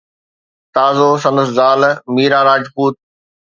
تازو سندس زال ميرا راجپوت